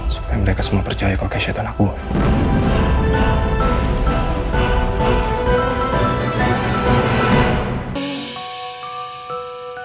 supaya mereka semua percaya kalau cashnya itu anak gue